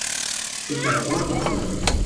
Cukkeɣ ttwakellexen.